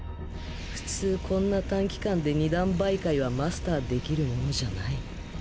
普通こんな短期間で二段媒介はマスターできるものじゃない。